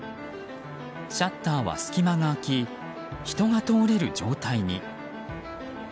シャッターは隙間が開き人が通れる状態に。